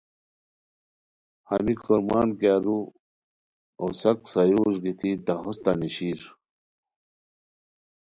ہمی کورمان کی ارو اوساک سایورج گیتی تہ ہوستہ نیشیر